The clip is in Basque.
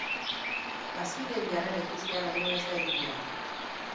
Bazkideen jarrera ikustea baino ez da egin behar.